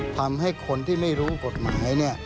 ทำให้คนที่ไม่รู้กฎหมาย